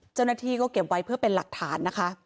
เจ้าหน้าที่ก็เก็บไว้เพื่อเป็นหลักฐานนะคะ